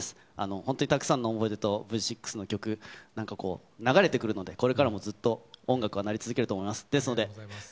本当にたくさんの思い出と、Ｖ６の曲、なんかこう、流れてくるので、これからもずっと音楽は鳴り続けると思います。